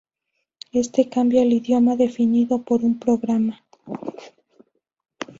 Este cambia el idioma definido por un programa.